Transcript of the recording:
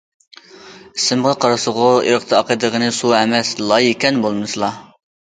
- ئىسمىغا قارىسىغۇ، ئېرىقتا ئاقىدىغىنى سۇ ئەمەس، لاي ئىكەن بولمىسىلا؟.